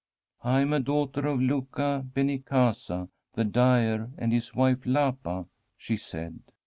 ' I am a daughter of Luca Benincasa the dyer, and his wife Lapa,' she said.